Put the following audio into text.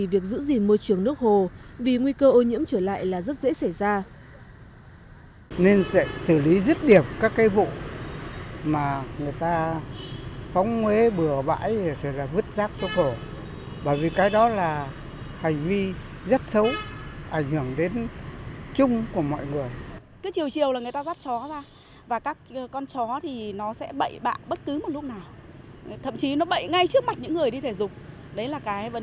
việc giữ gìn môi trường nước hồ vì nguy cơ ô nhiễm trở lại là rất dễ xảy ra